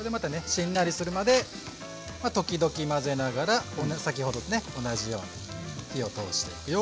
しんなりするまで時々混ぜながら先ほどとね同じように火を通していくよ。